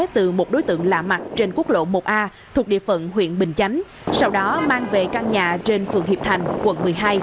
từ một đối tượng lạ mặt trên quốc lộ một a thuộc địa phận huyện bình chánh sau đó mang về căn nhà trên phường hiệp thành quận một mươi hai